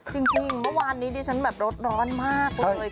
จริงเมื่อวานนี้ดิฉันแบบรถร้อนมากเลย